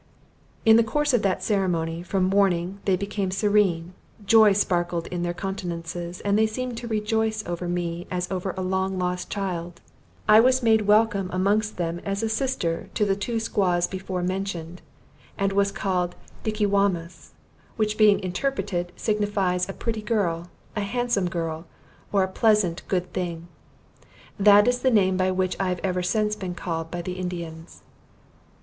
In the course of that ceremony, from mourning they became serene joy sparkled in their countenances, and they seemed to rejoice over me as over a long lost child. I was made welcome amongst them as a sister to the two Squaws before mentioned, and was called Dickewamis; which being interpreted, signifies a pretty girl, a handsome girl, or a pleasant, good thing. That is the name by which I have ever since been called by the Indians.